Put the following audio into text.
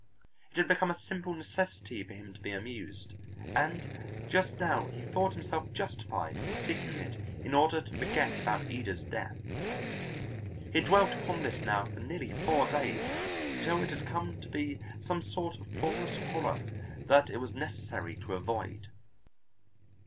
It had become a simple necessity for him to be amused, and just now he thought himself justified in seeking it in order to forget about Ida's death. He had dwelt upon this now for nearly four days, until it had come to be some sort of a formless horror that it was necessary to avoid.